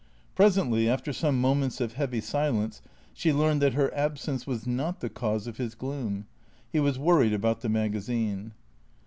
Presently, after some moments of heavy silence, she learned that her absence was not the cause of his gloom. He was worried about the magazine.